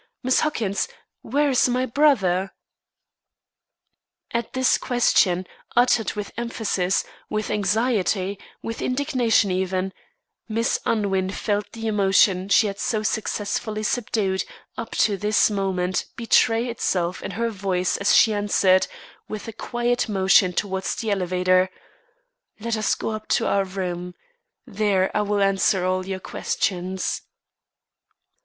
Miss Huckins, where is my brother?" At this question, uttered with emphasis, with anxiety with indignation even Miss Unwin felt the emotion she had so successfully subdued up to this moment, betray itself in her voice as she answered, with a quiet motion towards the elevator: "Let us go up to our room. There I will answer all your questions."